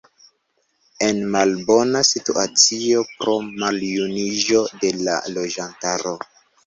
En malbona situacio pro maljuniĝo de la loĝantaro.